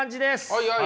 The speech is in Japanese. はいはい。